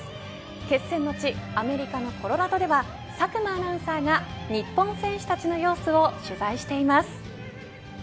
決戦の地アメリカのコロラドでは佐久間アナウンサーが日本選手たちの様子を取材しています。